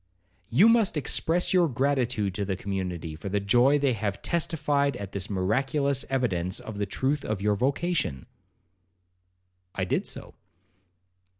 'You must express your gratitude to the community for the joy they have testified at this miraculous evidence of the truth of your vocation.' I did so.